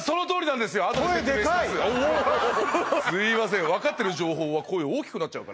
すいません